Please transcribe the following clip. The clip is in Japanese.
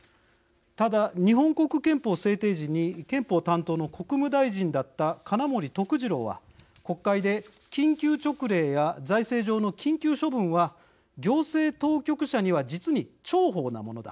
ただ、日本国憲法制定時に憲法担当の国務大臣だった金森徳次郎は、国会で「緊急勅令や財政上の緊急処分は行政当局者には実に重宝なものだ。